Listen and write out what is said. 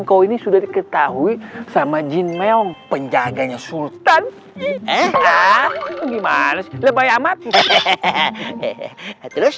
kau ini sudah diketahui sama jin memang penjaganya sultan eh gimana lebay amat